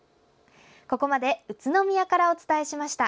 ここまで宇都宮からお伝えしました。